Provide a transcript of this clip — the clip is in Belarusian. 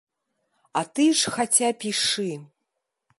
А ты ж хаця пішы.